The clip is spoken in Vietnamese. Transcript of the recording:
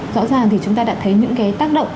rõ ràng thì chúng ta đã thấy những cái tác động